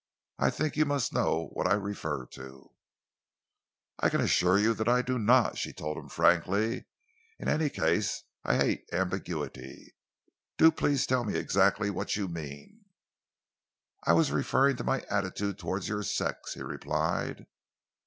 I think you must know what I refer to." "I can assure you that I do not," she told him frankly. "In any case I hate ambiguity. Do please tell me exactly what you mean." "I was referring to my attitude towards your sex," he replied.